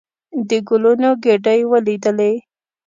د ګلونو ګېدۍ ولېدلې.